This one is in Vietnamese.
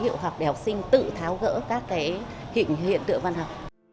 ký hiệu học để học sinh tự tháo gỡ các cái hình hiện tượng văn học